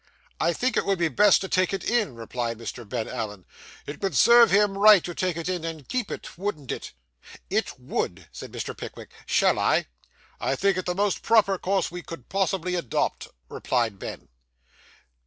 'I think it would be best to take it in,' replied Mr. Ben Allen; 'it would serve him right to take it in and keep it, wouldn't it?' 'It would,' said Mr. Pickwick; 'shall I?' 'I think it the most proper course we could possibly adopt,' replied Ben.